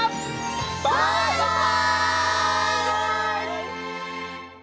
バイバイ！